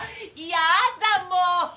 やだもう！